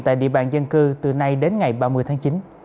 tại địa bàn dân cư từ nay đến ngày ba mươi tháng chín